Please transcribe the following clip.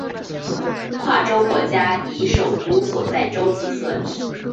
跨洲国家以首都所在洲计算。